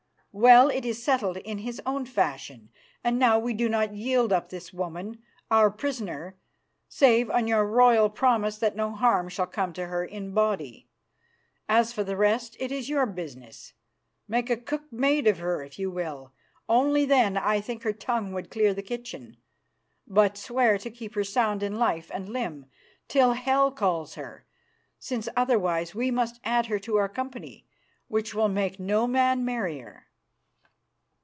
Well, it is settled in his own fashion, and now we do not yield up this woman, our prisoner, save on your royal promise that no harm shall come to her in body. As for the rest, it is your business. Make a cook maid of her if you will, only then I think her tongue would clear the kitchen. But swear to keep her sound in life and limb till hell calls her, since otherwise we must add her to our company, which will make no man merrier."